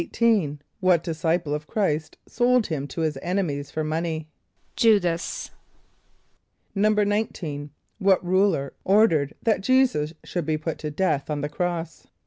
= What disciple of Chr[=i]st sold him to his enemies for money? =J[=]u´das.= =19.= What ruler ordered that J[=e]´[s+]us should be put to death on the cross?